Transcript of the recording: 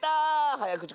はやくち